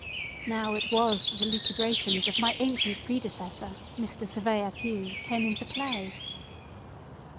Now it was that the lucubrations of my ancient predecessor, Mr. Surveyor Pue, came into play.